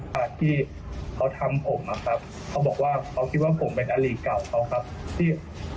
ครับที่เขาทำผมนะครับเขาบอกว่าเขาคิดว่าผมเป็นอลิเก่าเขาครับที่